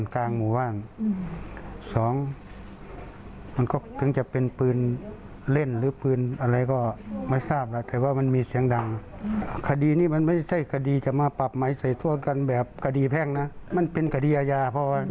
กับคนอื่นที่ไหนอีกหรือเปล่า